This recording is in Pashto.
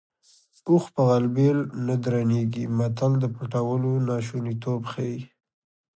اوښ په غلبېل نه درنېږي متل د پټولو ناشونیتوب ښيي